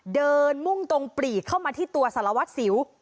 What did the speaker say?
มุ่งตรงปลีกเข้ามาที่ตัวสารวัตรสิว